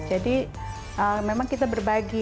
jadi memang kita berbagi